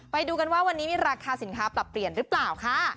ไปดูกันว่าวันนี้มีราคาสินค้าปรับเปลี่ยนหรือเปล่าค่ะ